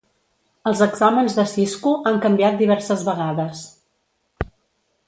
Els exàmens de Cisco han canviat diverses vegades.